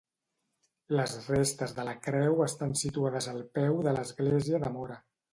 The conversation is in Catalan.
Les restes de la creu estan situades al peu de l'església de Móra.